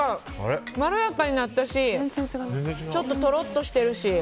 まろやかになったしちょっととろっとしてるし。